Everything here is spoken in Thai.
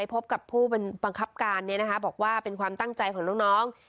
พบกับผู้บังคับการบอกว่าเป็นความตั้งใจของน้อง